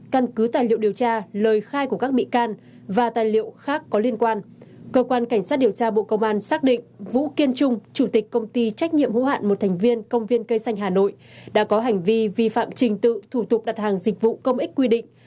công ty trách nhiệm hiệu hạn một thành viên công viên cây xanh hà nội đã có hành vi vi phạm trình tự thủ tục đặt hàng dịch vụ công ích quy định